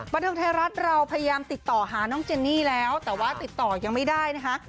บันเทิงไทยรัฐเราพยายามติดต่อหาน้องเจนนี่แล้วแต่ว่าติดต่อยังไม่ได้นะคะ